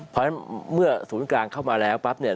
เพราะฉะนั้นเมื่อศูนย์กลางเข้ามาแล้วปั๊บเนี่ย